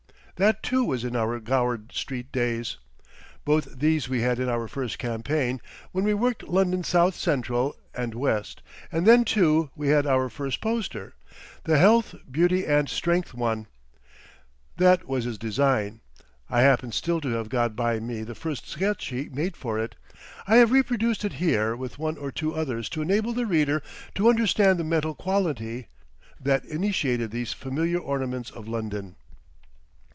—that, too, was in our Gower Street days. Both these we had in our first campaign when we worked London south central, and west; and then, too, we had our first poster—the HEALTH, BEAUTY, AND STRENGTH one. That was his design; I happen still to have got by me the first sketch he made for it. I have reproduced it here with one or two others to enable the reader to understand the mental quality that initiated these familiar ornaments of London.